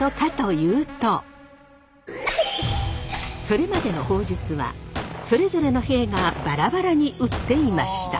それまでの砲術はそれぞれの兵がバラバラに撃っていました。